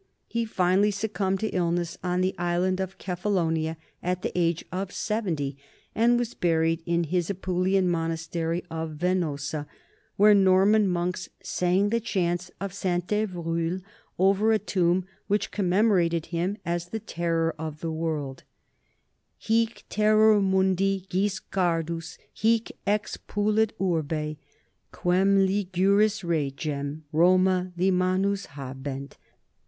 He finally suc cumbed to illness on the island of Cephalonia at the age of seventy, and was buried in his Apulian monastery of Venosa, where Norman monks sang the chants of Saint fivroul over a tomb which commemorated him as "the terror of the world": Hie terror mundi Guiscardus; hie expulit Urbe Quern Ligures regem, Roma, Lemannus habent.